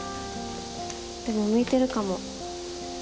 でも向いてるかも。